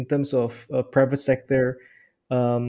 dalam hal sektor pribadi